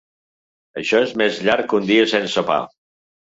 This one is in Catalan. Això és més llarg que un dia sense pa.